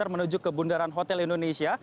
menuju ke bundaran hotel indonesia